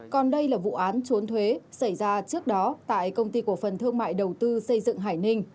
còn đây là vụ án trốn thuế xảy ra trước đó tại công ty cổ phần thương mại đầu tư xây dựng hải ninh